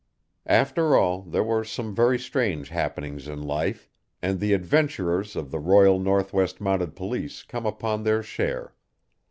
After all, there are some very strange happenings in life, and the adventurers of the Royal Northwest Mounted Police come upon their share.